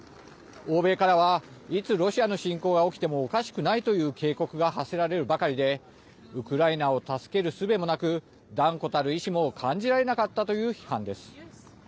欧米からはいつロシアの侵攻が起きてもおかしくないという警告が発せられるばかりでウクライナを助けるすべもなく断固たる意思も感じられなかったという批判です。